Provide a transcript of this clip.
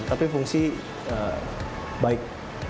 tapi fungsi baik